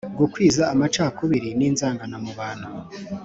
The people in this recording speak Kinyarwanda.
gukwiza amacakubiri n'inzangano mu bantu.